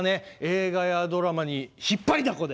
映画やドラマに引っ張りだこで。